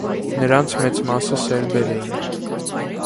Նրանց մեծ մասը սերբեր էին։